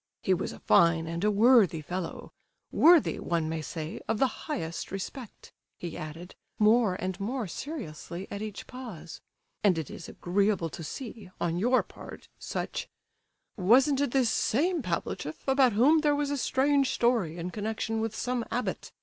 "He was a fine and a worthy fellow—worthy, one may say, of the highest respect," he added, more and more seriously at each pause; "and it is agreeable to see, on your part, such—" "Wasn't it this same Pavlicheff about whom there was a strange story in connection with some abbot?